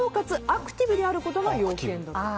アクティブであることが要件だと。